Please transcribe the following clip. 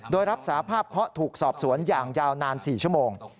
โดยรับสาภาพเพราะถูกสอบสวนอย่างยาวนาน๔ชั่วโมง